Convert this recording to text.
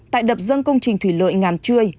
tại đập dân công trình thủy lợi ngàn chươi